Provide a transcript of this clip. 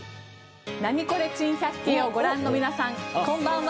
『ナニコレ珍百景』をご覧の皆さんこんばんは。